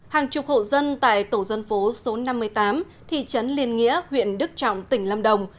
hàng chục hộ dân tại tổ dân phố số năm mươi tám thị trấn liên nghĩa huyện đức trọng tỉnh lâm đồng